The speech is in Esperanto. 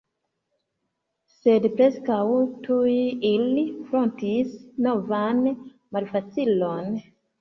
Sed preskaŭ tuj ili frontis novan malfacilon.